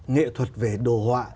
nghệ thuật về đồ họa